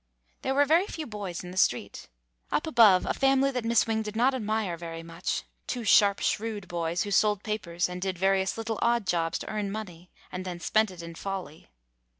There were very few boys in the street. Up above, a family that Miss Wing did not ad mire very much — two sharp, shrewd boys, who sold papers and did various little odd jobs to earn money, and then spent it in folly.